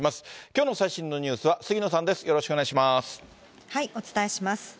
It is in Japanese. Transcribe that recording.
きょうの最新のニュースは杉野さんです、お伝えします。